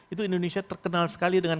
itu indonesia terkenal sekali dengan